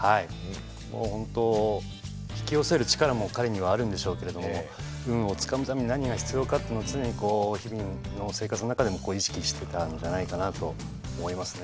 本当引き寄せる力も彼にはあるんでしょうけれども運をつかむために何が必要かっていうのを常に日々の生活の中でも意識してたんじゃないかなと思いますね。